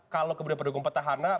kalau kemudian pendukung petahana